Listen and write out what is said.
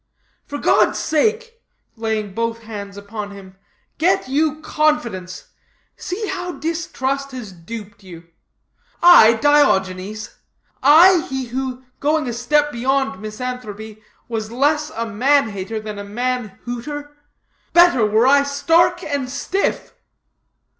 For God's sake," laying both hands upon him, "get you confidence. See how distrust has duped you. I, Diogenes? I he who, going a step beyond misanthropy, was less a man hater than a man hooter? Better were I stark and stiff!"